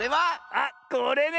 あっこれね！